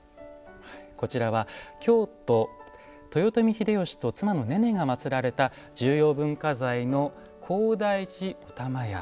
こちらは京都豊臣秀吉と妻のねねが祀られた重要文化財の高台寺霊屋。